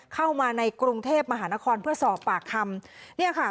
เข้ามาในกรุงเทพมหานครเพื่อสอบปากคำ